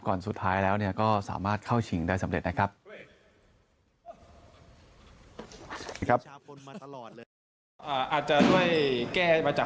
สุดท้ายแล้วก็สามารถเข้าชิงได้สำเร็จนะครับ